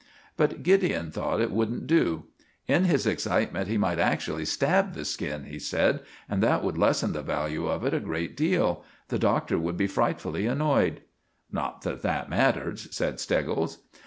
But Gideon thought it wouldn't do. "In his excitement he might actually stab the skin," he said; "and that would lessen the value of it a great deal. The Doctor would be frightfully annoyed." "Not that that matters," said Steggles.